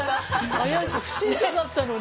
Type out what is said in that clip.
怪しい不審者だったのに。